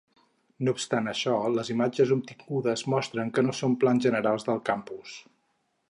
No obstant això, les imatges obtingudes mostren que no són plans generals del campus.